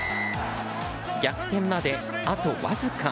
逆転まで、あとわずか。